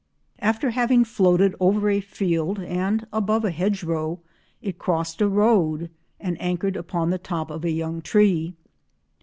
After having floated over a field and above a hedge row, it crossed a road and anchored upon the top of a young tree."